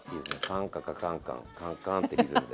カンカカカンカンカンカンってリズムで。